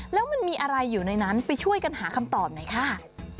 แล้วมันมีอะไรอยู่ในนั้นไปช่วยกันหาคำตอบหน่อยค่ะ